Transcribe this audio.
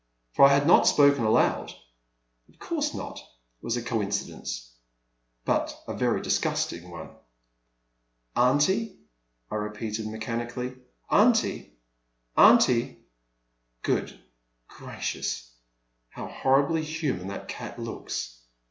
— ^for I had not spoken aloud. Of course not — ^it was a coincidence, — ^but a very disgusting one. Aunty," I repeated mechanically, "aunty, aunty — good gracious, how horribly human that cat looks